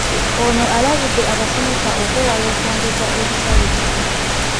Ono alabudde abasomesa okwewala okwongeza ebisale bino.